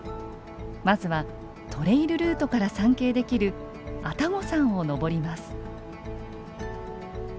まずはトレイルルートから参詣できる愛宕山を登ります。